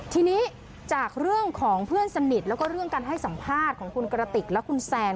ทีนี้จากเรื่องของเพื่อนสนิทแล้วก็เรื่องการให้สัมภาษณ์ของคุณกระติกและคุณแซน